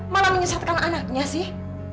malah menyesatkan anaknya sih